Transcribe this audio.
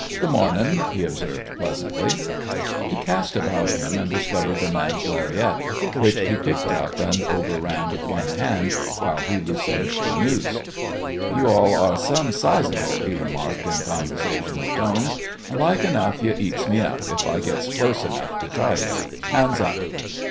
"Good mornin'," he observed, pleasantly. He cast about him and discovered the man's lariat, which he picked up and overran with one hand until he had loosened the noose. "You all are some sizable," he remarked, in conversational tones, "an' like enough you eats me up, if I gets clost enough to tie you. Hands up!"